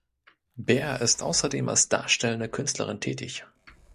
Behr ist außerdem als darstellende Künstlerin tätig.